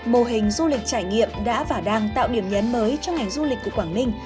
mô hình du lịch trải nghiệm đã và đang tạo điểm nhấn mới cho ngành du lịch của quảng ninh